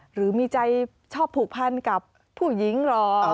หรือมีใจชอบผูกพันกับผู้หญิงเหรอ